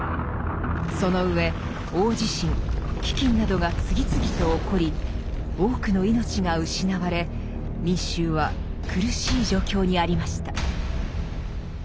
その上大地震飢饉などが次々と起こり多くの命が失われ民衆は苦しい状況にありました。